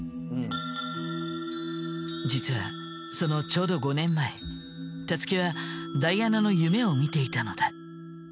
実はそのちょうど５年前たつきはダイアナの夢を見ていたのだ。